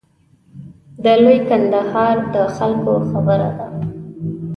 د لوی کندهار د خلکو خبره ده.